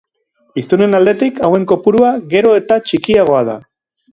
Hiztunen aldetik, hauen kopurua gero eta txikiagoa da.